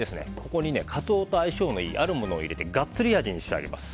ここにカツオと相性のいいあるものを入れてがっつり味に仕上げます。